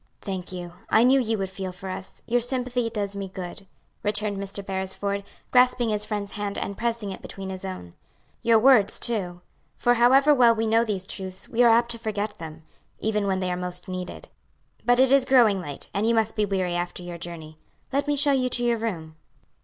"Thank you. I knew you would feel for us; your sympathy does me good," returned Mr. Beresford, grasping his friend's hand and pressing it between his own; "your words too; for however well we know these truths we are apt to forget them, even when they are most needed. "But it is growing late, and you must be weary after your journey. Let me show you to your room."